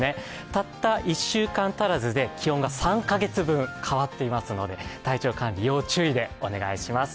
たった１週間足らずで気温が３か月分変わっていますので体調管理、要注意でお願いします。